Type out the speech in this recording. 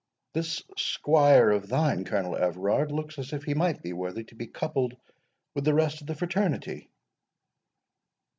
This squire of thine, Colonel Everard, looks as if he might be worthy to be coupled with the rest of the fraternity."